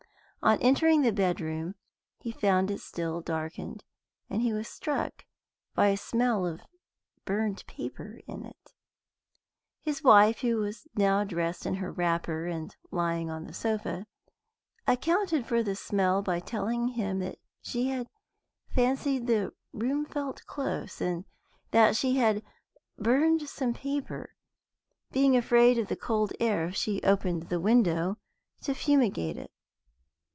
On entering the bedroom he found it still darkened, and he was struck by a smell of burned paper in it. His wife (who was now dressed in her wrapper and lying on the sofa) accounted for the smell by telling him that she had fancied the room felt close, and that she had burned some paper being afraid of the cold air if she opened the window to fumigate it.